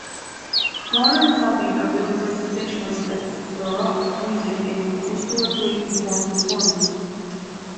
Modern copies are built for specialists of baroque music and historically informed performance.